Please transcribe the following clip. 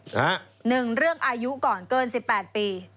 หนึ่งเรื่องอายุก่อนเกิน๑๘ปี